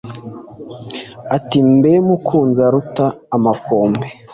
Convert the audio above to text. ati “mbe mukunzi uruta amakombe